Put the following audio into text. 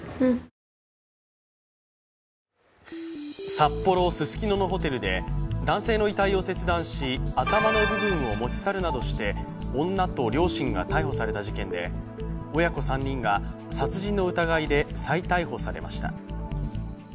札幌・ススキノのホテルで男性の遺体を切断し、頭の部分を持ち去るなどして女と両親が逮捕された事件で親子３人が殺人の疑いで再逮捕されました。